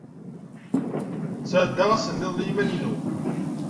Sɛeddaɣ ass niḍen i yiman-inu.